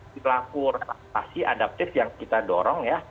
perilaku relaksasi adaptif yang kita dorong ya